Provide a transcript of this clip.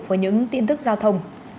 với những tin tức giao thông